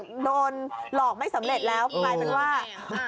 โดนหลอกไม่สำเร็จแล้วกลายเป็นว่า